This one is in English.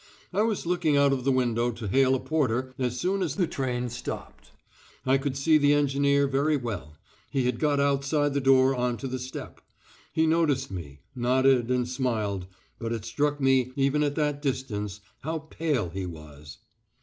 I was looking out of the window to hail a porter as soon as the train stopped. I could see the engineer very well, he had got outside the door on to the step. He noticed me, nodded, and smiled, but it struck me, even at that distance, how pale he was.